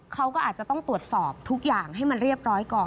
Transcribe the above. เขาก็อาจจะต้องตรวจสอบทุกอย่างให้มันเรียบร้อยก่อน